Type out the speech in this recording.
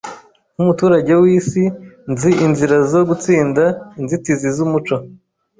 Nkumuturage wisi, nzi inzira zo gutsinda inzitizi zumuco.